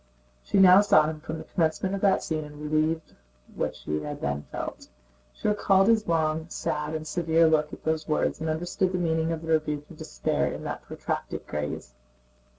She now saw him from the commencement of that scene and relived what she had then felt. She recalled his long sad and severe look at those words and understood the meaning of the rebuke and despair in that protracted gaze.